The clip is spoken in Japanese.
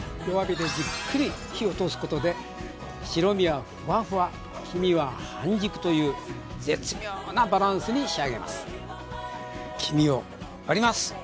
弱火でじっくり火を通すことで白身はフワフワ黄身は半熟という絶妙なバランスに仕上げます。